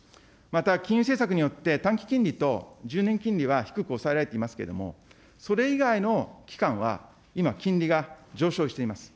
また金融政策によって短期金利と１０年金利は低く抑えられていますけれども、それ以外の期間は今、金利が上昇しています。